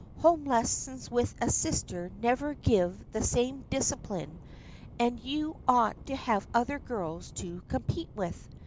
Home lessons with a sister never give the same discipline, and you ought to have other girls to compete with.